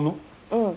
うん。